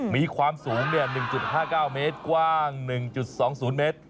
มีความสูง๑๕๙เมตรกว้าง๑๒๐เมตร